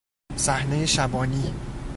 صحنهی شبانی